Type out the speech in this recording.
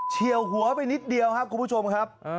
เฉียวหัวไปนิดเดียวครับคุณผู้ชมครับ